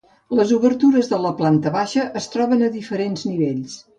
Les obertures de la planta baixa es troben a diferents nivells.